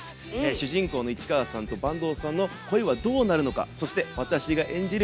主人公の市川さんと坂東さんの恋はどうなるのかそして私が演じる